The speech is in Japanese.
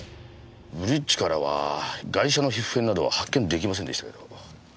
ブリッジからはガイシャの皮膚片などは発見出来ませんでしたけど。